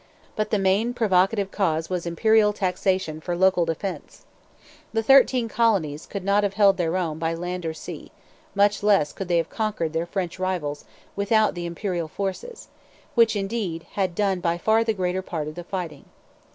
But the main provocative cause was Imperial taxation for local defence. The Thirteen Colonies could not have held their own by land or sea, much less could they have conquered their French rivals, without the Imperial forces, which, indeed, had done by far the greater part of the fighting.